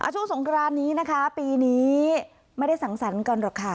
ช่วงสงครานนี้นะคะปีนี้ไม่ได้สังสรรค์กันหรอกค่ะ